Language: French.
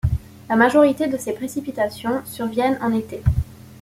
La majorité de ces précipitations surviennent en été.